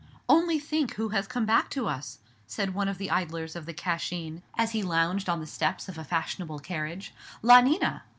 "Only think who has come back to us," said one of the idlers of the Cascine, as he lounged on the steps of a fashionable carriage, "La Nina!"